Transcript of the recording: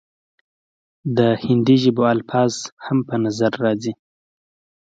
د هندي ژبو الفاظ هم پۀ نظر راځي،